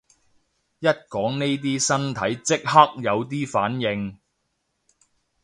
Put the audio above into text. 一講呢啲身體即刻有啲反應